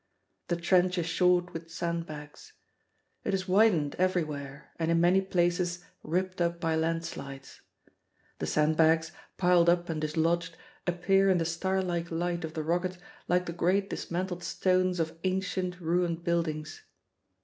The trench is shored with sandbags. It is widened everywhere, and in many places ripped up by landslides. The sandbags, piled up and dislodged, appear in the starlike light of the rocket like the great dismantled stones of ancient ruined buildings.